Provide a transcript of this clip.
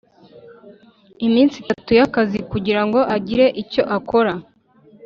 Iminsi itatu y akazi kugira ngo agire icyo akora